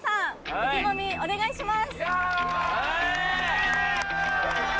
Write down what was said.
意気込みお願いします